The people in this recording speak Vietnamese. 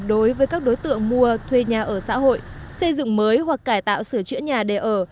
đối với các đối tượng mua thuê nhà ở xã hội xây dựng mới hoặc cải tạo sửa chữa nhà để ở